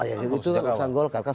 agus sejak awal